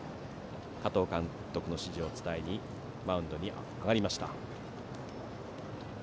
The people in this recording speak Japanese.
加藤監督の指示を伝えにマウンドに上がりました。